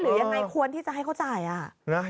หรือยังไงควรที่จะให้เขาจ่าย